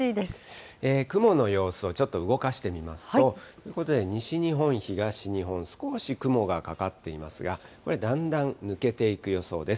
雲の様子をちょっと動かしてみますと、ということで西日本、東日本、少し雲がかかっていますが、これ、だんだん抜けていく予想です。